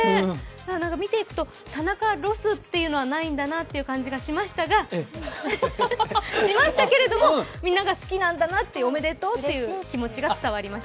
見ていくと、田中ロスというのはないんだなという感じはしましたけれども、みんなが好きなんだなという、おめでとうという気持ちが伝わりました。